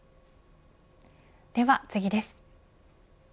では次です。